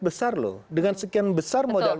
besar loh dengan sekian besar modal